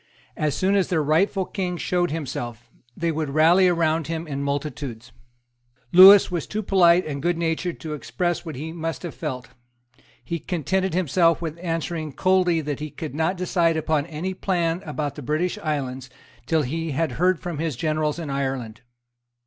As soon as their rightful King showed himself, they would rally round him in multitudes, Lewis was too polite and goodnatured to express what he must have felt. He contented himself with answering coldly that he could not decide upon any plan about the British islands till he had heard from his generals in Ireland.